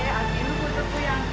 aduh gue tepuk yang